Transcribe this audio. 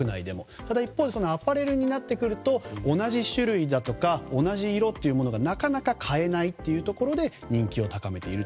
ただ一方で、アパレルとなると同じ種類だとか同じ色というのがなかなか買えないというところで人気を高めていると。